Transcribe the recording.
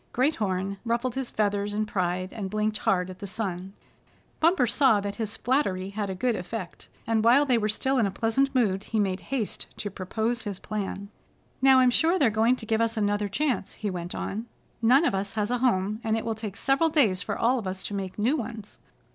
Great Horn ruffled his feathers in pride, and blinked hard at the sun. Bumper saw that his flattery had a good effect, and while they were still in a pleasant mood he made haste to propose his plan. "Now I'm sure they're going to give us another chance," he went on. "None of us has a home, and it will take several days for all of us to make new ones.